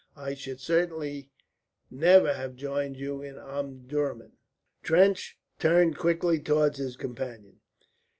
I should certainly never have joined you in Omdurman." Trench turned quickly towards his companion.